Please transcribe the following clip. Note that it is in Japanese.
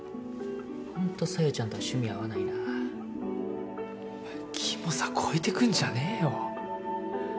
ほんと小夜ちゃんとは趣味合わないなお前きもさ超えてくんじゃねぇよ